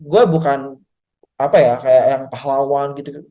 gue bukan apa ya kayak yang pahlawan gitu